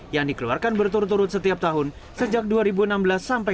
yang dikeluarkan berturut turut setiap tahun sejak dua ribu enam belas sampai dua ribu sembilan belas